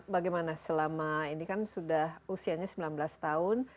bagaimana selama ini kan sudah usianya sembilan belas tahun